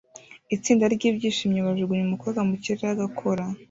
Itsinda ryibyishimo bajugunya umukobwa mukirere agakora